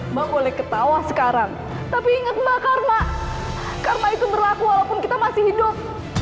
mbak boleh ketawa sekarang tapi ingat mbak karena karena itu berlaku walaupun kita masih hidup